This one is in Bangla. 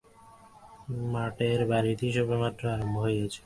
মঠের বাড়ীটি সবেমাত্র আরম্ভ হয়েছে।